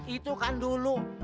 itu kan dulu